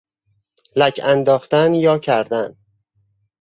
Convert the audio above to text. لک انداختن یا کردن